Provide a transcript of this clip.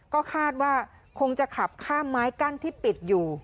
ก็คาดว่าคงจะขับข้ามไม้กั้นที่ปิดอยู่